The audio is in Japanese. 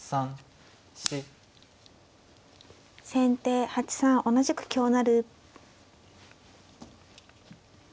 先手８三同じく香成。